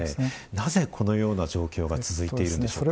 なぜこのような状況が続いているんでしょうか。